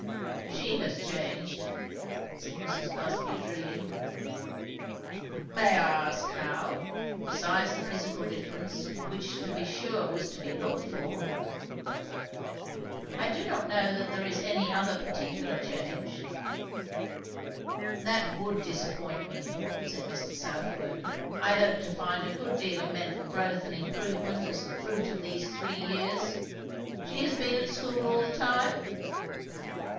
"She has changed," said Mrs. Busby drily. "May I ask, how? besides the physical difference, which to be sure was to be looked for?" "I do not know that there is any other particular change." "That would disappoint me," said Mr. Southwode. "I hoped to find a good deal of mental growth and improvement as the fruit of these three years. She has been at school all the time?"